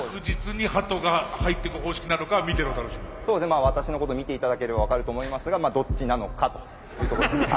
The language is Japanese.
まあ私のこと見て頂ければ分かると思いますがまあどっちなのかというところで。